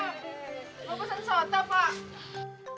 mau pesen soto pak